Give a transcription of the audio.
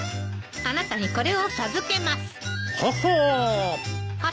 あなたにこれを授けます。ははーっ。